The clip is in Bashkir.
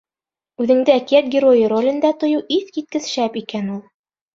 Үҙеңде әкиәт геройы ролендә тойоу иҫ киткес шәп икән ул!